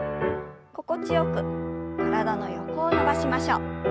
心地よく体の横を伸ばしましょう。